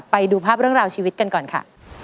ไปดูภาพเรื่องราวชีวิตกันก่อนค่ะ